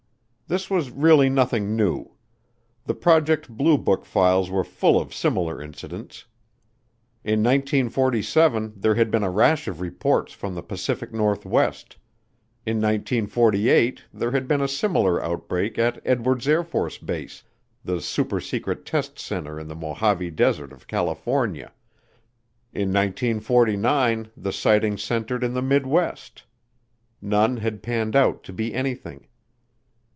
This was really nothing new. The Project Blue Book files were full of similar incidents. In 1947 there had been a rash of reports from the Pacific Northwest; in 1948 there had been a similar outbreak at Edwards Air Force Base, the supersecret test center in the Mojave Desert of California; in 1949 the sightings centered in the midwest. None had panned out to be anything.